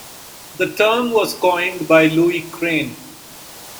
The term was coined by Louis Crane.